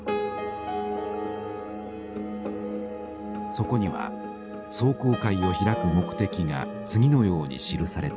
そこには壮行会を開く目的が次のように記されています。